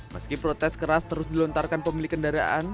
meski protes keras terus dilontarkan pemilik kendaraan